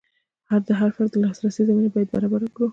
د هر فرد د لاسرسي زمینه باید برابره کړو.